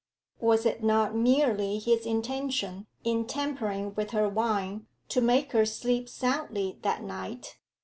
Was it not merely his intention, in tampering with her wine, to make her sleep soundly that night?